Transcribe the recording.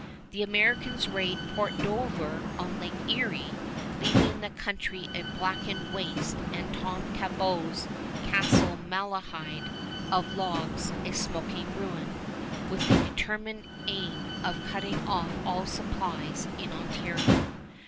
The Americans raid Port Dover on Lake Erie, leaving the country a blackened waste and Tom Talbot's Castle Malahide of logs a smoking ruin, with the determined aim of cutting off all supplies in Ontario.